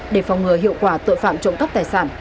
để phòng ngừa hiệu quả tội phạm trộm cắp tài sản